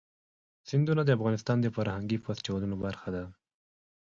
سیندونه د افغانستان د فرهنګي فستیوالونو برخه ده.